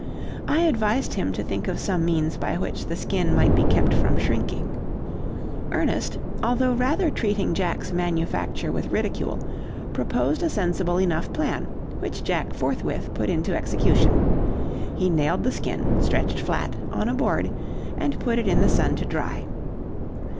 I advised him to think of some means by which the skin might be kept from shrinking. "Ernest, although rather treating Jack's manufacture with ridicule, proposed a sensible enough plan, which Jack forthwith put into execution. He nailed the skin, stretched flat, on a board, and put it in the sun to dry.